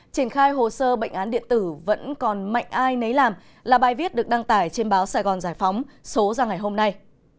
triển khai hồ sơ bệnh án điện tử vẫn còn mạnh ai nấy làm là bài viết được đăng tải trên báo sài gòn giải phóng số ra ngày hôm nay